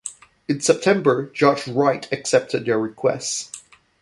In September, Judge Wright accepted their request.